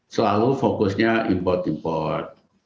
selalu fokusnya impor impor